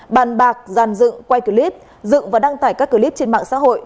bàn bạc dàn dựng quay clip dựng và đăng tải các clip trên mạng xã hội